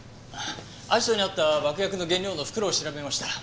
アジトにあった爆薬の原料の袋を調べました。